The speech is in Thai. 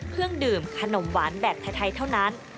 เครื่องดื่มขนมหวานแบบไทยเท่านั้น